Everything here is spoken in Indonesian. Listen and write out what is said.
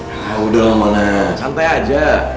yaudah mona santai aja